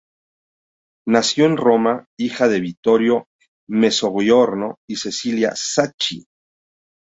Nació en Roma, hija de Vittorio Mezzogiorno y Cecilia Sacchi.